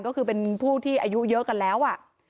ก็คือเป็นผู้ที่อายุเยอะกันแล้ว